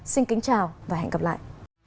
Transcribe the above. xin kính chào và hẹn gặp lại